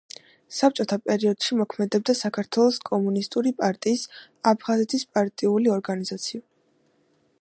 საბჭოთა პერიოდში მოქმედებდა საქართველოს კომუნისტური პარტიის აფხაზეთის პარტიული ორგანიზაცია.